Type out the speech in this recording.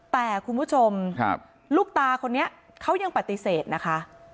แต่คุณผู้ชมลูกตาคนนี้เขายังปฏิเสธนะคะ